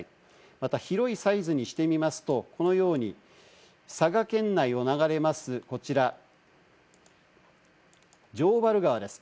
また広いサイズにしてみますと、このように佐賀県内を流れます、こちら城原川です。